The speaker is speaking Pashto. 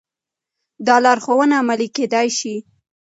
دا لارښوونه عملي کېدای شي.